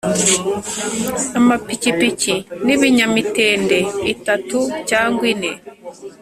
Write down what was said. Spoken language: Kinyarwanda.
amapikipiki n'ibinyamitende itatu cyangwa ine.